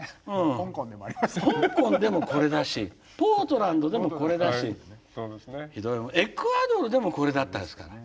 香港でもこれだしポートランドでもこれだしひどいもんエクアドルでもこれだったですから。